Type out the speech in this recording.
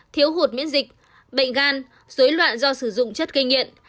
thiếu hụt miễn dịch bệnh gan dối loạn do sử dụng chất gây nghiện